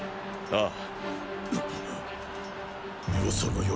ああ。